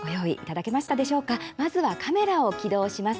まずはカメラを起動します。